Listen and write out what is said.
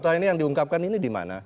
delapan juta yang diungkapkan ini di mana